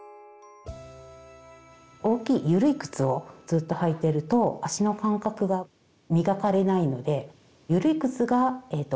大きいゆるい靴をずっと履いてると足の感覚が磨かれないのでとかゆるい